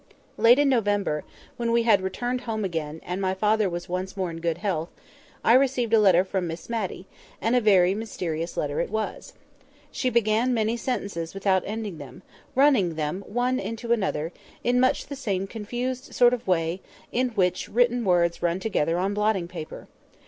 Late in November—when we had returned home again, and my father was once more in good health—I received a letter from Miss Matty; and a very mysterious letter it was. She began many sentences without ending them, running them one into another, in much the same confused sort of way in which written words run together on blotting paper.